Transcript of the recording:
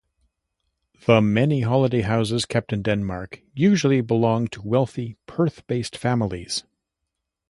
The many holiday houses kept in Denmark usually belong to wealthy Perth-based families.